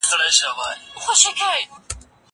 زه به د کتابتون پاکوالی کړی وي؟!